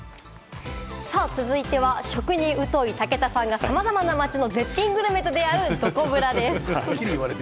続いては食に疎い武田さんがさまざまな街の絶品グルメと出会う、どこブラです。